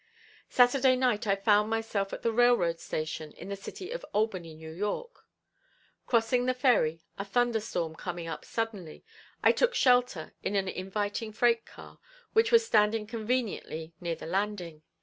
Saturday night I found myself at the railroad station in the city of Albany, N. Y. Crossing the ferry, a thunder storm coming up suddenly, I took shelter in an inviting freight car, which was standing conveniently near the landing.